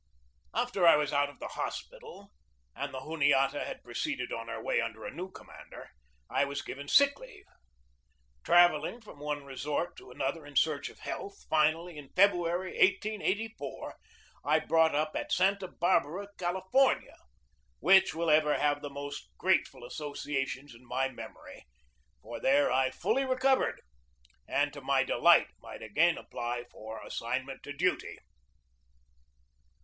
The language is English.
After I was out of the hospital and the Juniata had proceeded on her way under a new commander, 156 GEORGE DEWEY I was given sick leave. Travelling from one resort to another in search of health, finally, in February, 1884, I brought up at Santa Barbara, California, which will ever have the most grateful associations in my memory, for there I fully recovered, and to my delight, might again apply for assignment to duty.